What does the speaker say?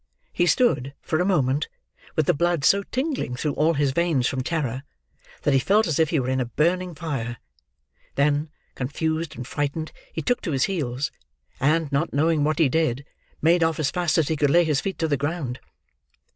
He stood, for a moment, with the blood so tingling through all his veins from terror, that he felt as if he were in a burning fire; then, confused and frightened, he took to his heels; and, not knowing what he did, made off as fast as he could lay his feet to the ground.